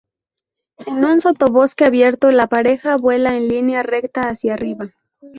En un sotobosque abierto, la pareja vuela en línea recta hacia arriba.